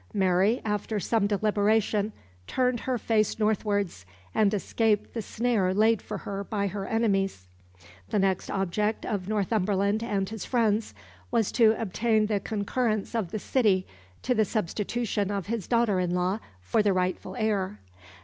Mary, after some deliberation, turned her face northwards, and escaped the snare laid for her by her enemies. The next object of Northumberland and his friends was to obtain the concurrence of the City to the substitution of his daughter in law for the rightful heir.